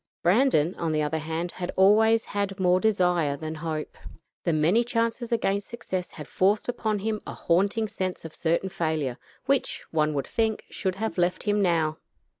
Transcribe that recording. Brandon, on the other hand, had always had more desire than hope. The many chances against success had forced upon him a haunting sense of certain failure, which, one would think, should have left him now.